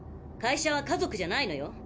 会社は家族じゃないのよ。